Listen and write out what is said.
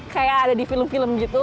kayak ada di film film gitu